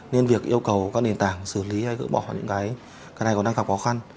nên việc yêu cầu các nền tảng xử lý hay gỡ bỏ những cái này còn đang gặp khó khăn